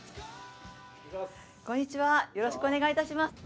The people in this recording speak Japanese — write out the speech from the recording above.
こんにちは、よろしくお願いいたします。